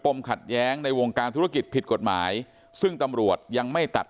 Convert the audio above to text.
ขัดแย้งในวงการธุรกิจผิดกฎหมายซึ่งตำรวจยังไม่ตัด